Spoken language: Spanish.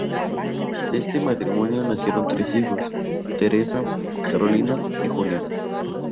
De este matrimonio nacieron tres hijos: Teresa, Carolina y Julián.